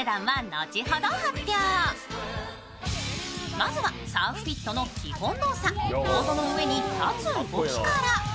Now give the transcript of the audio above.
まずはＳｕｒｆＦｉｔの基本動作、ボードの上に立つ動きから。